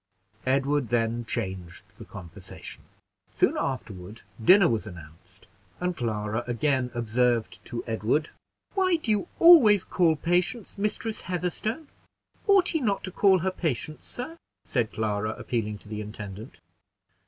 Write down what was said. Edward then changed the conversation. Soon afterward dinner was announced, and Clara again observed to Edward, "Why do you always call Patience Mistress Heatherstone? Ought he not to call her Patience, sir?" said Clara, appealing to the intendant.